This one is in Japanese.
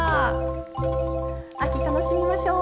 秋楽しみましょう。